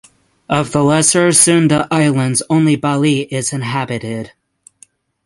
Of the Lesser Sunda Islands only Bali is inhabited.